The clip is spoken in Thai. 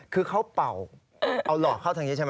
คือเขาเป่าเอาหลอกเข้าทางนี้ใช่ไหม